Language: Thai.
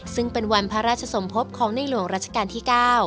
ซึ่งเป็นวันพระราชสมภพของในหลวงรัชกาลที่๙